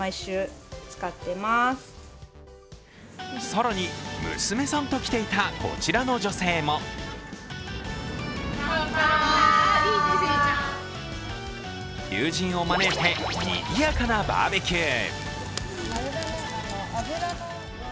更に、娘さんと来ていたこちらの女性も友人を招いてにぎやかなバーベキュー。